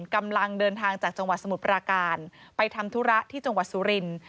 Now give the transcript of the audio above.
กำลังเดินทางจากจังหวัดสมุทรปราการไปทำธุระที่จังหวัดสุรินทร์